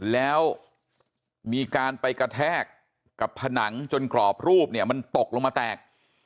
แล้วมีการไปกระแทกกับผนังจนกรอบรูปเนี่ยมันตกลงมาแตก